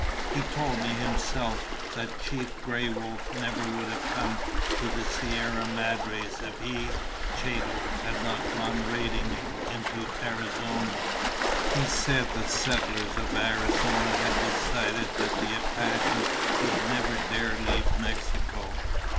He told me himself that Chief Gray Wolf never would have come to the Sierra Madres if he, Chato, had not gone raiding into Arizona. He said the settlers of Arizona had decided that the Apaches would never dare leave Mexico.